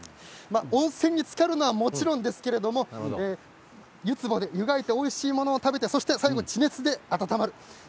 温泉につかるのはもちろんですけれど湯つぼでおいしいものを食べて最後に地熱で温まる。